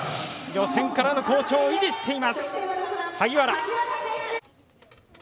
予選からの好調を維持しています、萩原。